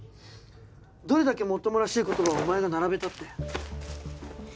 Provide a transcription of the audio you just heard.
どれだけもっともらしい言葉をお前が並べたって。